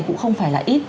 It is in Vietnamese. cũng không phải là ít